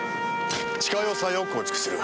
地下要塞を構築する。